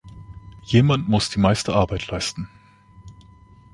Jemand muss die meiste Arbeit leisten.